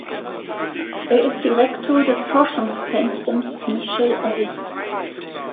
Er ist Direktor des Forschungszentrums „Michel Henry“.